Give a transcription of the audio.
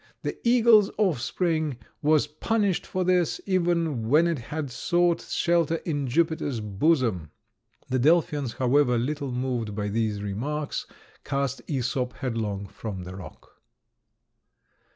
The eagle's offspring was punished for this, even when it had sought shelter in Jupiter's bosom." The Delphians, however, little moved by these remarks, cast Æsop headlong from the rock.